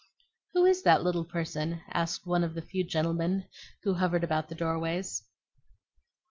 "Who is that little person?" asked one of the few gentlemen who hovered about the doorways.